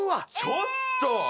ちょっと！